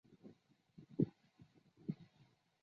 吉冈亚衣加是一位日本的创作型歌手。